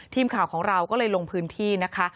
ทีมข่าวของเราก็เลยลงพื้นที่นะคะ